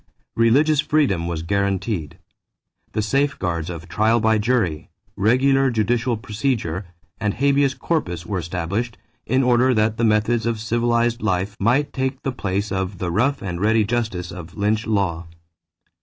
Religious freedom was guaranteed. The safeguards of trial by jury, regular judicial procedure, and habeas corpus were established, in order that the methods of civilized life might take the place of the rough and ready justice of lynch law.